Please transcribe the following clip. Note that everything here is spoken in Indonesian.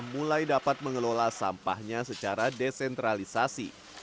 mulai dapat mengelola sampahnya secara desentralisasi